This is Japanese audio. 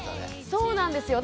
そうなんですよ。